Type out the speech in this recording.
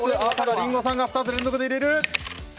リンゴさんが２つ連続で入れる。